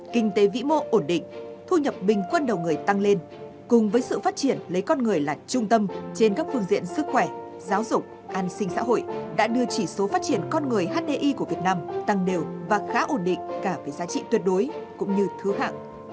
kinh tế vĩ mô ổn định thu nhập bình quân đầu người tăng lên cùng với sự phát triển lấy con người là trung tâm trên các phương diện sức khỏe giáo dục an sinh xã hội đã đưa chỉ số phát triển con người hdi của việt nam tăng đều và khá ổn định cả về giá trị tuyệt đối cũng như thứ hạng